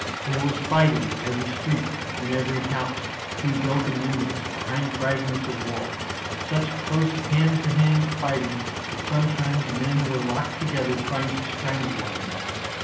There was fighting in every street, in every house, through broken windows, behind fragments of walls such close hand to hand fighting that sometimes men were locked together trying to strangle one another.